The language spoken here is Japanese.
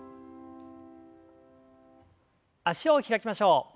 脚を開きましょう。